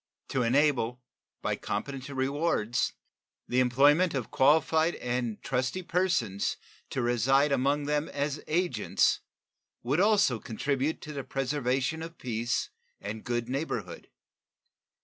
To enable, by competent rewards, the employment of qualified and trusty persons to reside among them as agents would also contribute to the preservation of peace and good neighborhood.